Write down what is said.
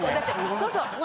そうそう。